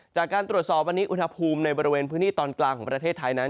จากการตรวจสอบวันนี้อุณหภูมิในบริเวณพื้นที่ตอนกลางของประเทศไทยนั้น